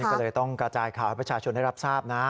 ก็เลยต้องกระจายข่าวให้ประชาชนได้รับทราบนะ